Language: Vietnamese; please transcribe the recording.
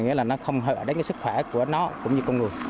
nghĩa là nó không hề đến cái sức khỏe của nó cũng như con người